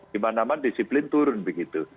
dimana mana disiplin turun begitu